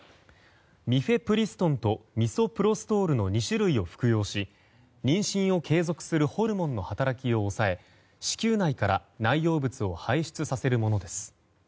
ミフェプリストンとミソプロストールの２種類を服用し、妊娠を継続するホルモンの働きを抑え子宮内から内容物を排出させるものです。